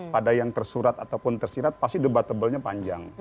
pada yang tersurat ataupun tersirat pasti debatable nya panjang